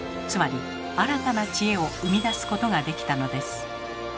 つまり新たな知恵を生み出すことができたのです。